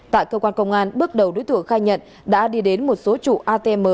tại cơ quan công an bước đầu đối tượng khai nhận đã đi đến một số chủ atm